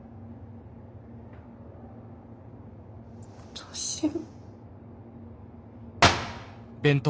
どうしよう。